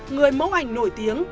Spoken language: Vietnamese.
người mẫu ảnh nổi tiếng